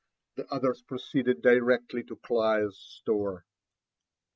The others proceeded directly to Clio's store.